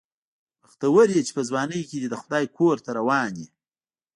بختور یې چې په ځوانۍ کې د خدای کور ته روان یې.